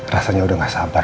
rasanya udah gak sabar